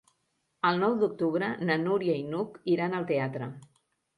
El nou d'octubre na Núria i n'Hug iran al teatre.